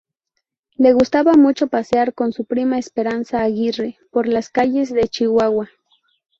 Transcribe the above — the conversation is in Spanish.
Le gustaba mucho pasear con su prima Esperanza Aguirre por las calles de Chihuahua.